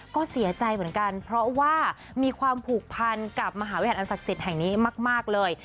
ก็เสียใจเหมือนกันเพราะว่ามีความผูกพันกับมหาวิทยาลอันศักดิ์สิทธิ์แห่งนี้มากเลย